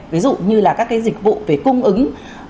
ví dụ như là các cái dịch vụ về cung ứng